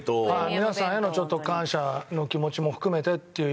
皆さんへの感謝の気持ちも含めてっていう意味で。